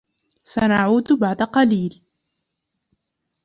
سنعود بعد قليل.